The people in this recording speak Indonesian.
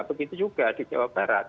begitu juga di jawa barat